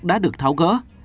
đã được tháo gỡ